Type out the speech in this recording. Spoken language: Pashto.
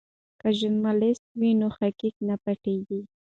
که ژورنالیست وي نو حقایق نه پټیږي.